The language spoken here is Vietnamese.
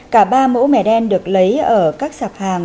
cả ba mẫu mẻ đen được lấy ở các sạp hàng